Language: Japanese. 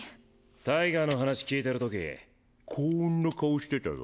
タイガーの話聞いてる時こんな顔してたぞ。